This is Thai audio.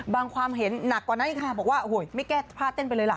ความเห็นหนักกว่านั้นอีกค่ะบอกว่าโอ้โหไม่แก้ผ้าเต้นไปเลยล่ะ